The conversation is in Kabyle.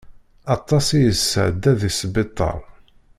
Aṭas i yesεedda di sbiṭar.